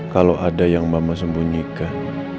kalau ada yang mama sembunyikan